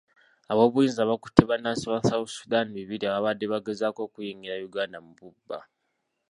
Aboobuyinza bakutte bannansi ba South Sudan bibiri ababadde bagezaako okuyingira Uganda mu bubba.